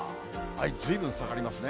ずいぶん下がりますね。